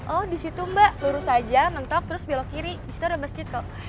oh disitu mba lurus aja mentok terus belok kiri disitu ada masjid kok